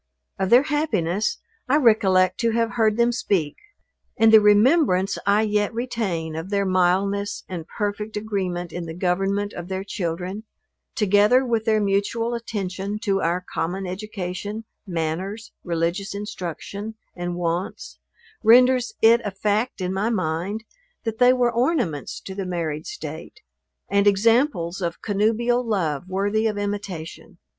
Of their happiness I recollect to have heard them speak; and the remembrance I yet retain of their mildness and perfect agreement in the government of their children, together with their mutual attention to our common education, manners, religious instruction and wants, renders it a fact in my mind, that they were ornaments to the married state, and examples of connubial love, worthy of imitation.